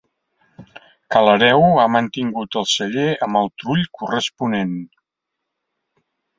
Ca l'Hereu ha mantingut el celler amb el trull corresponent.